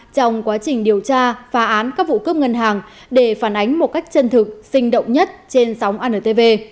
trong quá trình điều tra phá án các vụ cướp ngân hàng để phản ánh một cách chân thực sinh động nhất trên sóng antv